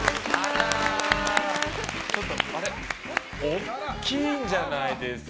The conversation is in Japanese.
大きいんじゃないですか？